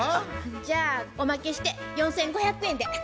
じゃあおまけして４，５００円で。